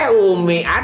eh umi ada